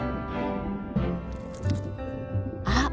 あっ！